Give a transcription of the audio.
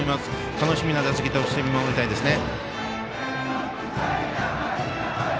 楽しみな打席として見守りたいですね。